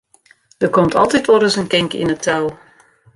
Der komt altyd wolris in kink yn 't tou.